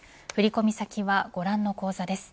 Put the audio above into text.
振り込み先はご覧の口座です。